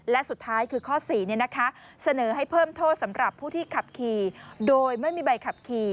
และสุดท้ายคือข้อ๔เสนอให้เพิ่มโทษสำหรับผู้ที่ขับขี่โดยไม่มีใบขับขี่